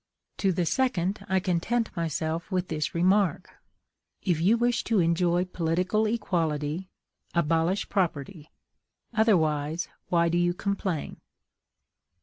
To the second I content myself with this remark: If you wish to enjoy political equality, abolish property; otherwise, why do you complain?